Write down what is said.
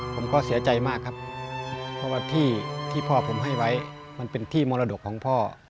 ผมก็เสียใจมากครับเพราะว่าที่พ่อผมให้ไว้มันเป็นที่มรดกของพ่อ